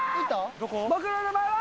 僕の名前は！